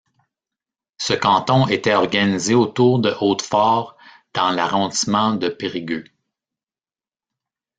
Ce canton était organisé autour de Hautefort dans l'arrondissement de Périgueux.